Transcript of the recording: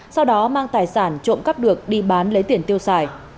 sau đó mang tài sản trộm cắp được đi bán lấy tiền tiêu xài